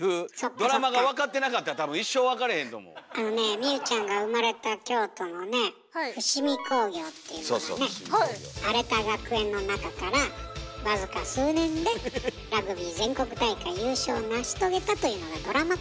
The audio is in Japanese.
そもそもあのねえ望結ちゃんが生まれた京都のね伏見工業っていうのがね荒れた学園の中から僅か数年でラグビー全国大会優勝を成し遂げたというのがドラマ化されたの。